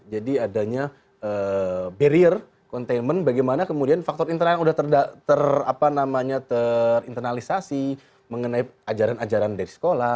jadi adanya barrier containment bagaimana kemudian faktor internal yang sudah ter apa namanya terinternalisasi mengenai ajaran ajaran dari sekolah